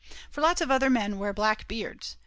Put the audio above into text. For lots of other men wear black beards.